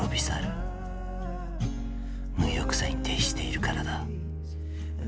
さる無欲さに徹しているからだ